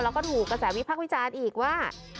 แล้วก็ถูกกระแสวิพักษ์วิจารณ์อีกว่า